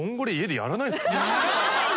やらないよ！